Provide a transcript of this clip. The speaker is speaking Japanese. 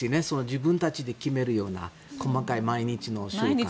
自分たちで決めるような細かい毎日の習慣。